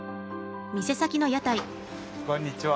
こんにちは。